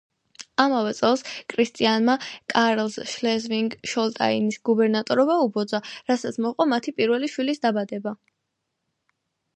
ამავე წელს, კრისტიანმა კარლს შლეზვიგ-ჰოლშტაინის გუბერნატორობა უბოძა, რასაც მოჰყვა მათი პირველი შვილის დაბადება.